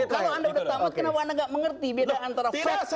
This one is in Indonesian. kalau anda sudah tamat kenapa anda tidak mengerti beda antara fakta dan data